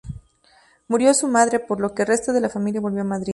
Murió su madre, por lo que el resto de la familia volvió a Madrid.